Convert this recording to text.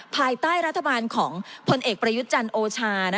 ภายใต้รัฐบาลของพลเอกประยุทธ์จันทร์โอชา